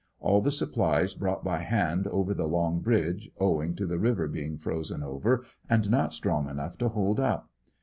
All the supplies brought by hand over the long bridge, owing to the river being frozen over and not strong enough to hold up.